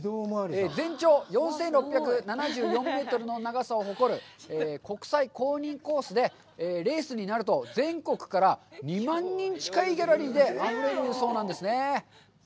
全長４６７４メートルの長さを誇る国際公認コースで、レースになると、全国から２万人近いギャラリーであふれるそうなんですね。